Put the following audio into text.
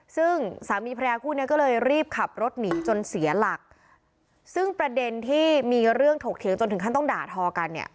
ซึ่งสามีพระยาคู่เนี้ยก็เลยรีบขับรถหนีจนเสียหลักซึ่งประเด็นที่มีเรื่องถกเถียงจนถึงขั้นต้องด่าทอกันเนี่ย